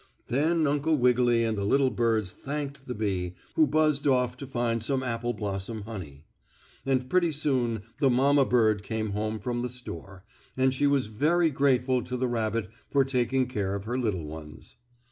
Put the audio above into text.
Then Uncle Wiggily and the little birds thanked the bee, who buzzed off to find some apple blossom honey. And pretty soon the mamma bird came home from the store, and she was very grateful to the rabbit for taking care of her little ones.